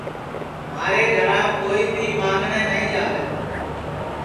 مھارے گھرام کوئی بھی مانگٹؔیں نائی جاوے